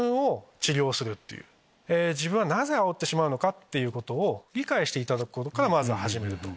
自分はなぜあおってしまうのかっていうことを理解していただくことからまず始める。